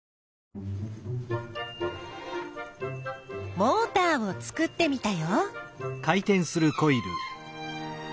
モーターを作ってみたよ。